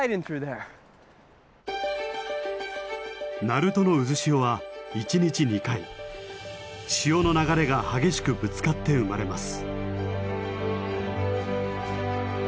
鳴門の「うず潮」は一日２回潮の流れが激しくぶつかって生まれます。